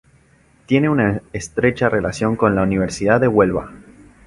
Tiene una estrecha relación con la Universidad de Huelva.